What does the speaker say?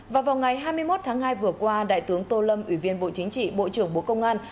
và vào ngày hai mươi một tháng hai vừa qua đại tướng tô lâm ủy viên bộ chính trị bộ trưởng bộ công an